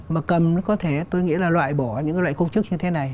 mà cầm có thể tôi nghĩ là loại bỏ những loại công chức như thế này